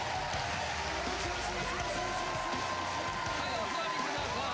お座りください。